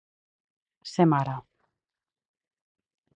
Ser mare.